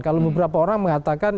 kalau beberapa orang mengatakan